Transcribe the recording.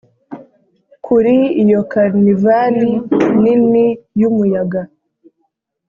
kuri iyo karnivali nini yumuyaga.